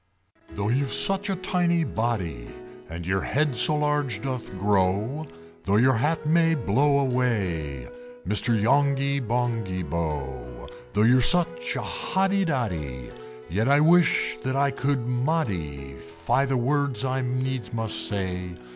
"Though you've such a tiny body, And your head so large doth grow, Though your hat may blow away, Mr. Yonghy Bonghy Bò! Though you're such a Hoddy Doddy, Yet I wish that I could modi fy the words I needs must say!